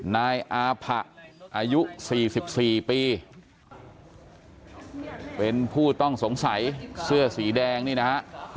นายอาผะอายุ๔๔ปีเป็นผู้ต้องสงสัยเสื้อสีแดงนี่นะฮะ